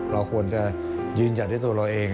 เราควรจะยืนหยัดด้วยตัวเราเอง